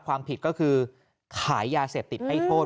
ก็คือขายยาเสพติดให้โทษ